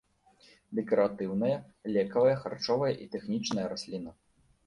Дэкаратыўная, лекавая, харчовая і тэхнічная расліна.